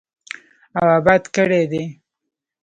او اباد کړی دی.